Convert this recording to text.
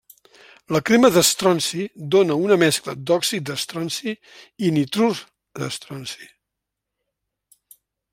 La crema d'estronci dóna una mescla d'òxid d'estronci i nitrur d'estronci.